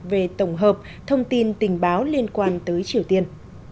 về tổng hợp thông tin tình báo liên quan tới triều tiên